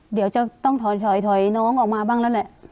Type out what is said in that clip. เดี๋ยวจะต้องถอยน้องออกมาบ้างแล้วแหละ